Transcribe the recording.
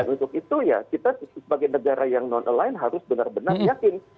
untuk itu ya kita sebagai negara yang non align harus benar benar yakin